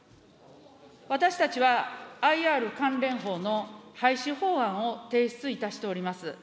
私たちはＩＲ関連法の廃止法案を提出いたしております。